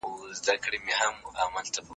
موږ به له ډاره ماڼۍ ړنګه کړو.